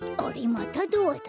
またドアだ。